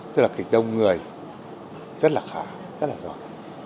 tức là kịch đông người rất là khả rất là giỏi